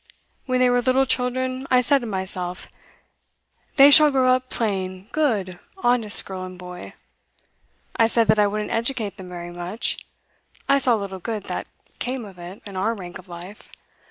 When they were little children, I said to myself: hey shall grow up plain, good, honest girl and boy. I said that I wouldn't educate them very much; I saw little good that came of it, in our rank of life.